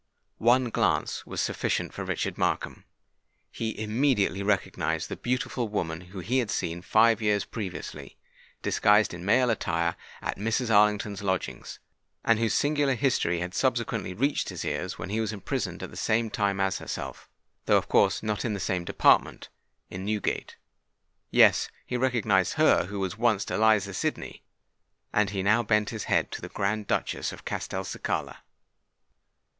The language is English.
One glance was sufficient for Richard Markham! He immediately recognised the beautiful woman whom he had seen five years previously, disguised in male attire, at Mrs. Arlington's lodgings, and whose singular history had subsequently reached his ears when he was imprisoned at the same time as herself, though of course not in the same department, in Newgate. Yes—he recognised her who was once Eliza Sidney; and he now bent his head to the grand Duchess of Castelcicala.